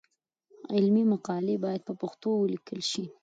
علمي مقالې باید په پښتو ولیکل شي.